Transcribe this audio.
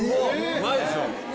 うまいでしょ？